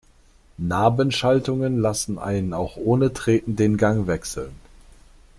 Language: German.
Nabenschaltungen lassen einen auch ohne Treten den Gang wechseln.